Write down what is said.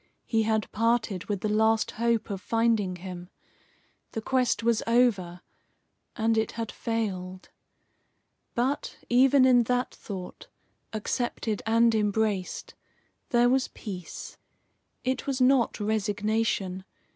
He had parted with the last hope of finding him. The quest was over, and it had failed. But, even in that thought, accepted and embraced, there was peace. It was not resignation.